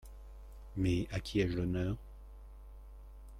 Mais à qui ai-je l’honneur ?